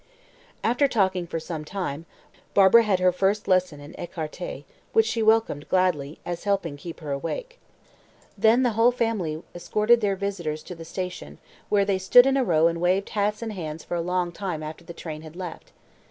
After talking for some time, Barbara had her first lesson in écarté, which she welcomed gladly, as helping to keep her awake. Then the whole family escorted their visitors to the station, where they stood in a row and waved hats and hands for a long time after the train had left.